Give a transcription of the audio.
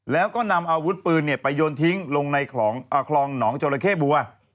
แล้วก็นำอาวุธปืนไปโยนทิ้งลงในคลองหนองจราเข้บัว